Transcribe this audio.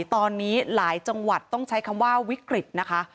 ตอนนี้หลายจังหวัดต้องใช้คำว่าวิกฤตนะคะ